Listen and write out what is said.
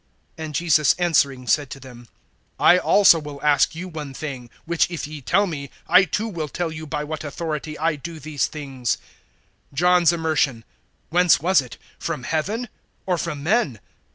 (24)And Jesus answering said to them: I also will ask you one thing, which if ye tell me, I too will tell you by what authority I do these things. (25)John's immersion, whence was it? From heaven, or from men?